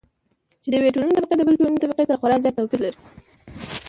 چې د يوې ټولنې طبقې د بلې ټولنې طبقې سره خورا زيات توپېر لري.